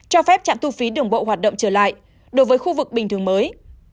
cho phép trạm thu phí đường bộ hoạt động trở lại đối với khu vực bình thường mới